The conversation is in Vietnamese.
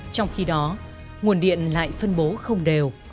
trong khi đó nguồn điện lại phân bố không đều